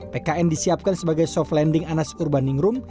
pkn disiapkan sebagai soft landing anas urbaningrum